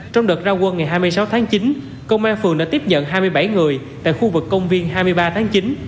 trong đợt ra quân ngày hai mươi sáu tháng chín công an phường đã tiếp nhận hai mươi bảy người tại khu vực công viên hai mươi ba tháng chín